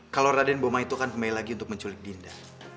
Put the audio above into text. kalau raden boma itu akan kembali lagi untuk menculik dinda